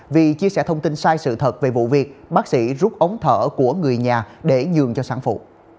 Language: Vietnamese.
vì chia sẻ thông tin sai sự thật về vụ việc bác sĩ rút ống thở của người nhà để nhường cho sản phụ